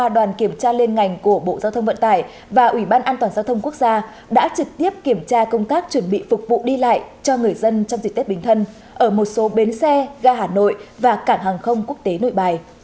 ba đoàn kiểm tra liên ngành của bộ giao thông vận tải và ủy ban an toàn giao thông quốc gia đã trực tiếp kiểm tra công tác chuẩn bị phục vụ đi lại cho người dân trong dịp tết bình thân ở một số bến xe ga hà nội và cảng hàng không quốc tế nội bài